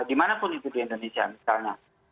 dimanapun itu di indonesia misalnya